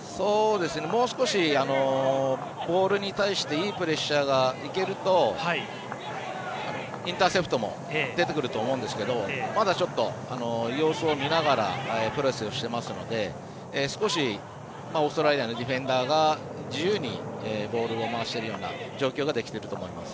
もう少し、ボールに対していいプレッシャーがいけるとインターセプトも出てくると思うんですけどまだちょっと、様子を見ながらプレスをしてますのでオーストラリアのディフェンスに対して自由にボールを回してるような状況ができていると思います。